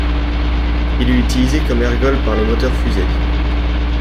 Il est utilisé comme ergol par les moteurs-fusées.